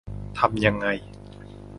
ทำยังไง